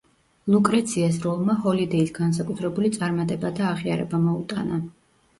ლუკრეციას როლმა ჰოლიდეის განსაკუთრებული წარმატება და აღიარება მოუტანა.